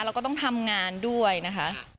แล้วก็ต้องทำงานด้วยนะคะ